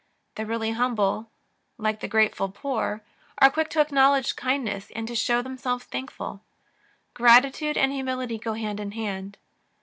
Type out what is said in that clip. The really humble, like the grate ful poor, are quick to acknowledge kindness and to show themselves thankful. Gratitude and humility go hand in hand.